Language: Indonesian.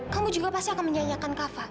kamu juga pasti akan menyanyiakan kava